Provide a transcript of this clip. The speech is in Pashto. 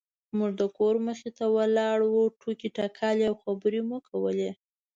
موږ د کور مخې ته ولاړې وو ټوکې ټکالې او خبرې مو کولې.